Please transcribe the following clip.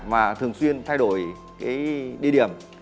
và thường xuyên thay đổi cái địa điểm